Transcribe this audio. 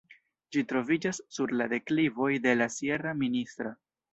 Ĝi troviĝas sur la deklivoj de la sierra Ministra.